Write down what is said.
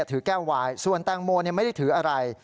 ถือแก้ววายส่วนแตงโมไม่ได้ถืออะไร